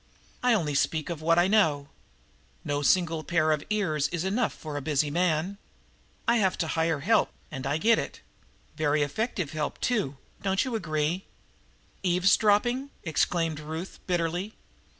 I only speak of what I know. No single pair of ears is enough for a busy man. I have to hire help, and I get it. Very effective help, too, don't you agree?" "Eavesdropping!" exclaimed Ruth bitterly.